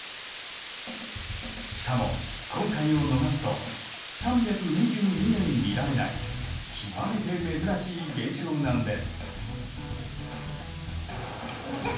しかも、今回を逃すと３２２年見られない極めて珍しい現象なんです。